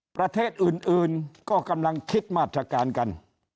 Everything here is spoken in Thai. ประเทศอื่นก็กำลังคิดมาตรการกัน